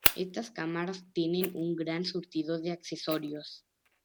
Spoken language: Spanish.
Estas cámaras tienen un gran surtido de accesorios.